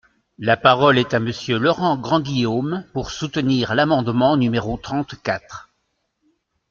La parole est à Monsieur Laurent Grandguillaume, pour soutenir l’amendement numéro trente-quatre.